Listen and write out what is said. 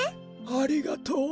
ありがとう。